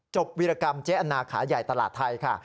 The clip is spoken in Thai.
วิรกรรมเจ๊อันนาขาใหญ่ตลาดไทยค่ะ